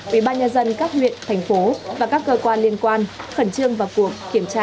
ubnd các huyện thành phố và các cơ quan liên quan khẩn trương vào cuộc kiểm tra